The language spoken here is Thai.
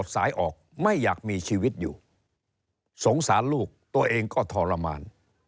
สงสารลูกตัวเองก็ทรมาน